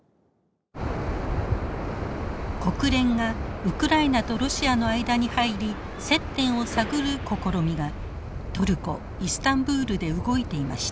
国連がウクライナとロシアの間に入り接点を探る試みがトルコ・イスタンブールで動いていました。